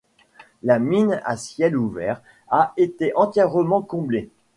La mine à ciel ouvert a été entièrement comblée.